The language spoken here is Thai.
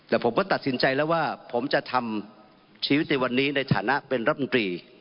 แต่ผมก็ตัดสินใจแล้วว่าผมจะทำชีวิตในวันนี้ในฐานะเป็นรัฐมนตรี